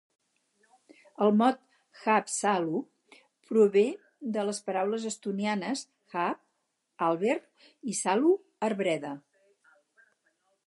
El mot "Haapsalu" prové de les paraules estonianes "haab" (àlber) i "salu" (arbreda).